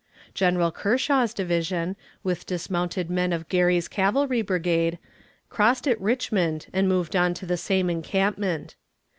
General Kershaw's division, with dismounted men of Gary's cavalry brigade, crossed at Richmond and moved on to the same encampment.